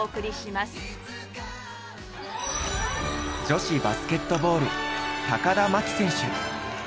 女子バスケットボール田真希選手。